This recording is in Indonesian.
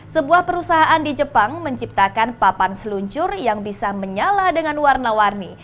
sebuah perusahaan di jepang menciptakan papan seluncur yang bisa menyala dengan warna warni